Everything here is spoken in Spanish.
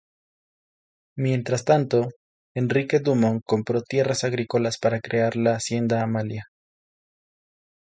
Mientras tanto, Henrique Dumont compró tierras agrícolas para crear la hacienda Amalia.